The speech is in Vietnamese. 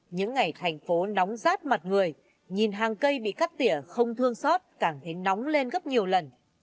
những ngày thành phố nóng rát mặt người nhìn hàng cây bị cắt tỉa không thương xót cảm thấy nóng lên gấp nhiều lần